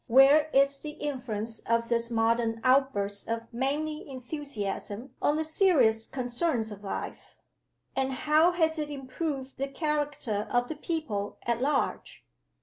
Where is the influence of this modern outburst of manly enthusiasm on the serious concerns of life? and how has it improved the character of the people at large?